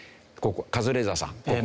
カズレーザーさん。